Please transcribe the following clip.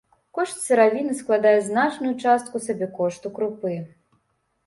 Кошт сыравіны складае значную частку сабекошту крупы.